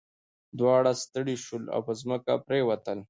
دواړه ستړي شول او په ځمکه پریوتل.